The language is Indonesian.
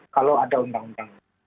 kalau ada undang undang